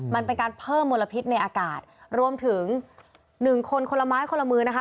มันเป็นการเพิ่มมลพิษในอากาศรวมถึงหนึ่งคนคนละไม้คนละมือนะคะ